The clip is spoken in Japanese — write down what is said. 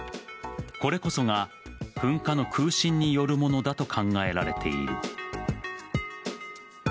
これこそが噴火の空振によるものだと考えられている。